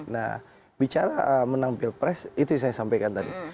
nah bicara menang pilpres itu yang saya sampaikan tadi